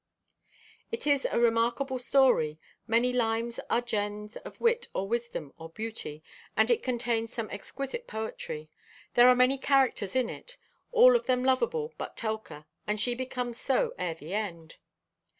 It is a remarkable story. Many lines are gems of wit or wisdom or beauty, and it contains some exquisite poetry. There are many characters in it, all of them lovable but Telka, and she becomes so ere the end.